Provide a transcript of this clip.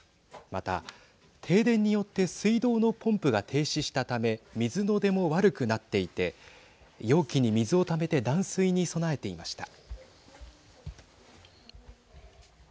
また、停電によって水道のポンプが停止したため水の出も悪くなっていて容器に水をためて断水に備えていました。